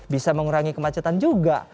bisa mengurangi kemacetan juga